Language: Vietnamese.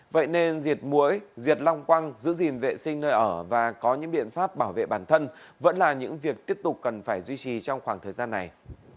vậy nên diệt mũi diệt long quăng giữ gìn vệ sinh nơi ở và có những biện pháp bảo vệ bản thân vẫn là những việc tiếp tục cần phải duy trì trong khoảng thời gian này